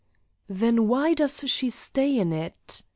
"Then why does she stay in it?"